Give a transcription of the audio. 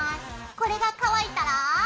これが乾いたら。